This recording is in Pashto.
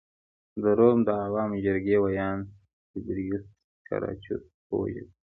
د روم د عوامو جرګې ویاند تیبریوس ګراکچوس ووژل شو